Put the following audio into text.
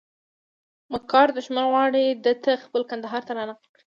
مکار دښمن غواړي دته خېل کندهار ته رانقل کړي.